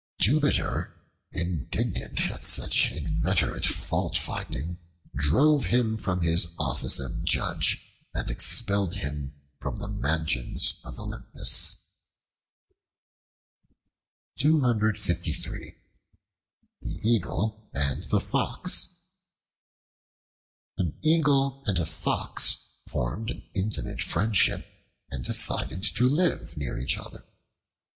Jupiter, indignant at such inveterate faultfinding, drove him from his office of judge, and expelled him from the mansions of Olympus. The Eagle and the Fox AN EAGLE and a Fox formed an intimate friendship and decided to live near each other.